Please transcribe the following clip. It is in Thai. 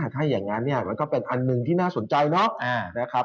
ถ้าอย่างงั้นเนี่ยมันก็เป็นอันนึงที่น่าสนใจเนาะ